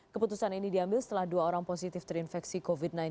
keputusan ini diambil setelah dua orang positif terinfeksi covid sembilan belas